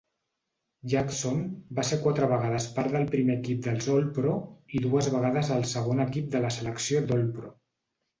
Jackson va ser quatre vegades part del primer equip dels All-Pro i dues vegades al segon equip de la selecció d'All-Pro.